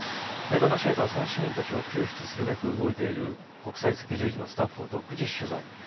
めざまし８はその市民たちを救出するべく動いている国際赤十字のスタッフを独自取材。